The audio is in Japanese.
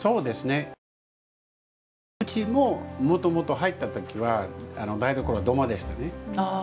うちももともと入ったときは台所は土間でしたね。